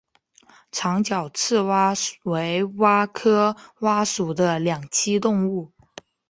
长脚赤蛙为蛙科蛙属的两栖动物。